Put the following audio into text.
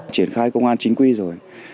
triển khai công an chính quy rồi